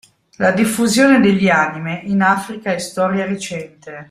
La diffusione degli "anime" in Africa è storia recente.